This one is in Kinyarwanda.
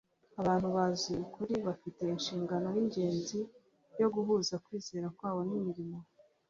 abantu bazi ukuri bafite inshingano y'ingenzi yo guhuza kwizera kwabo n'imirimo